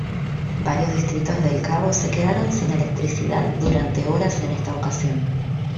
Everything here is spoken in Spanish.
Varios distritos del Cabo se quedaron sin electricidad durante horas en esta ocasión.